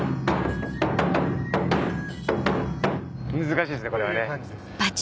難しいっすねこれはね。